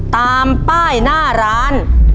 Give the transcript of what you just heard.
ตามป้ายหน้าร้าน